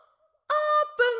あーぷん！